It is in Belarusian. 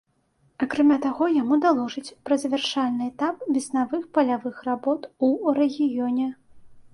Акрамя таго, яму даложаць пра завяршальны этап веснавых палявых работ у рэгіёне.